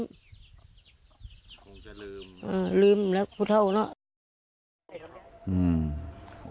อือลืมแล้วพูดเท่านั้น